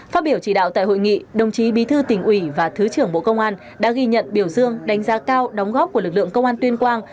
phát biểu chỉ đạo tại hội nghị đồng chí bí thư tỉnh ủy và thứ trưởng bộ công an đã ghi nhận biểu dương đánh giá cao đóng góp của lực lượng công an tuyên quang